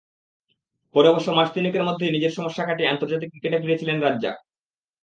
পরে অবশ্য মাস তিনেকের মধ্যেই নিজের সমস্যা কাটিয়ে আন্তর্জাতিক ক্রিকেটে ফিরেছিলেন রাজ্জাক।